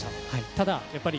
ただやっぱり、